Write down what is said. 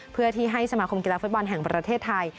เพื่อที่ให้สมาคมกีฬาฟุตบอลแห่งประเทศไทย